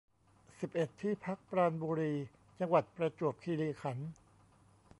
สิบเอ็ด ที่พักปราณบุรี จังหวัดประจวบคีรีขันธ์